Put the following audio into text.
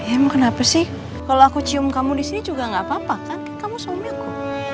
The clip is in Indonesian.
em kenapa sih kalau aku cium kamu disini juga gak apa apa kan kamu suami aku